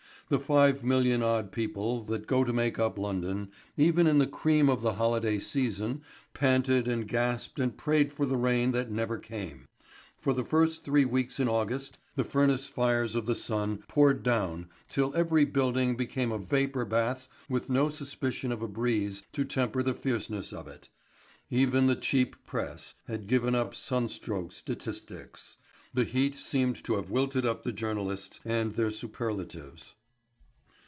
The five million odd people that go to make up London, even in the cream of the holiday season, panted and gasped and prayed for the rain that never came. For the first three weeks in August the furnace fires of the sun poured down till every building became a vapour bath with no suspicion of a breeze to temper the fierceness of it. Even the cheap press had given up sunstroke statistics. The heat seemed to have wilted up the journalists and their superlatives.